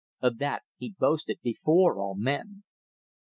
Of that he boasted before all men."